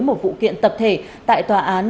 một vụ kiện tập thể tại tòa án